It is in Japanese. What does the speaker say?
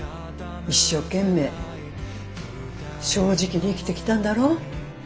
一生懸命正直に生きてきたんだろ？